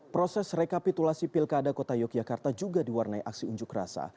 proses rekapitulasi pilkada kota yogyakarta juga diwarnai aksi unjuk rasa